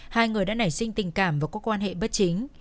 hai người đã nảy sinh tình cảm và có quan hệ bất chính